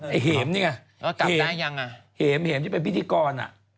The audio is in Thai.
ไอ้เห็มนี่ไงเห็มที่เป็นพิธีกร